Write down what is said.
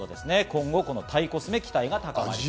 今後タイコスメ、期待が高まりそうです。